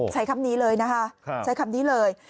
ใช้คำนี้เลยนะคะใช้คำนี้เลย